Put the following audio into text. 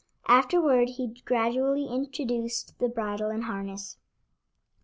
Afterward he gradually introduced the bridle and harness.